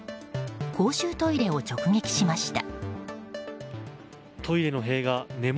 公衆トイレを直撃しました。